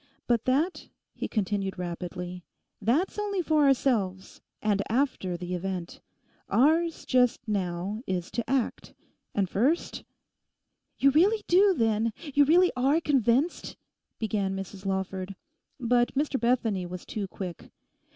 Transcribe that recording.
But that,' he continued rapidly, 'that's only for ourselves—and after the event. Ours, just now, is to act. And first—?' 'You really do, then—you really are convinced—' began Mrs Lawford. But Mr Bethany was too quick.